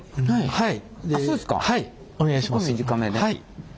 はい。